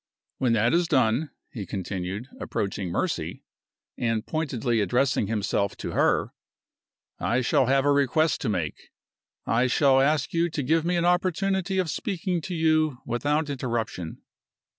"When that is done," he continued, approaching Mercy, and pointedly addressing himself to her, "I shall have a request to make I shall ask you to give me an opportunity of speaking to you without interruption."